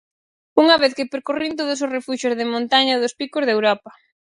Unha vez que percorrín todos os refuxios de montaña dos Picos de Europa.